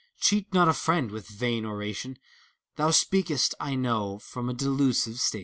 Cheat not a friend with vain oration : Thou speak'st, I know, from a delusive station.